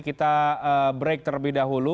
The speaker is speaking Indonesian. kita break terlebih dahulu